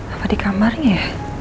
apa di kamarnya ya